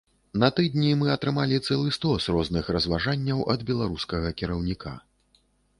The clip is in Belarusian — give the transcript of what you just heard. На тыдні мы атрымалі цэлы стос розных разважанняў ад беларускага кіраўніка.